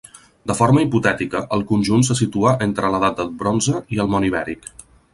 De forma hipotètica, el conjunt se situa entre l'edat del bronze i el món ibèric.